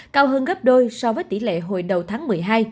cao hơn gấp đôi so với tỷ lệ hồi đầu tháng một mươi hai